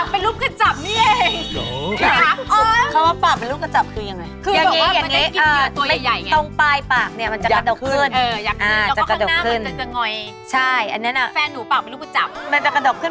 เป็นรูปกระจับนี่เอง